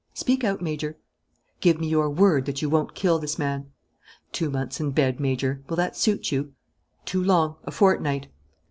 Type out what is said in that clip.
"Speak out, Major." "Give me your word that you won't kill this man." "Two months in bed, Major; will that suit you?" "Too long. A fortnight."